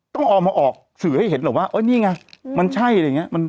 ต้องเอามาออกสื่อให้เห็นหรอกว่านี่ไงมันใช่อะไรอย่างนี้